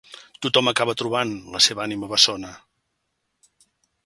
Tothom acaba trobant la seva ànima bessona